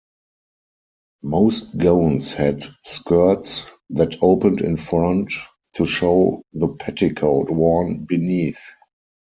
Most gowns had skirts that opened in front to show the petticoat worn beneath.